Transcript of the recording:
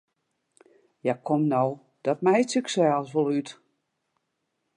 Ja, kom no, dat meitsje ik sels wol út!